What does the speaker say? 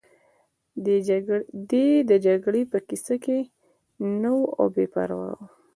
دی د جګړې په کیسه کې نه و او بې پروا و